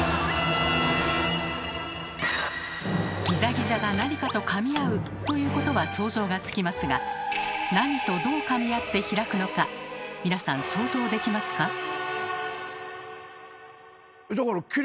ギザギザがなにかとかみ合うということは想像がつきますがなにとどうかみ合って開くのか皆さん想像できますか？